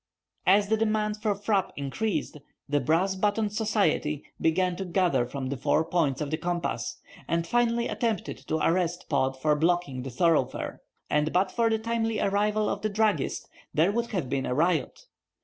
As the demand for frappe increased, the brass buttoned society began to gather from the four points of the compass, and finally attempted to arrest Pod for blocking the thoroughfare; and, but for the timely arrival of the druggist, there would have been a riot.